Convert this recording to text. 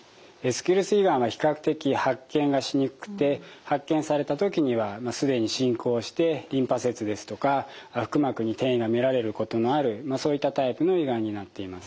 スキルス胃がんは比較的発見がしにくくて発見された時には既に進行してリンパ節ですとか腹膜に転移が見られることのあるそういったタイプの胃がんになっています。